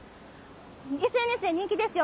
ＳＮＳで人気ですよ。